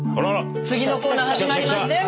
次のコーナー始まりましたよ